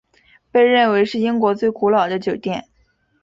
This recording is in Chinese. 被认为是英国最古老的酒店。